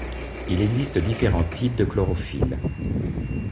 Il existe différents types de chlorophylle.